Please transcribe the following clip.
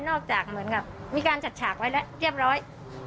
ออกจากเหมือนกับมีการจัดฉากไว้แล้วเรียบร้อย